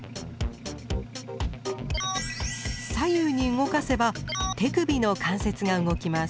左右に動かせば手首の関節が動きます。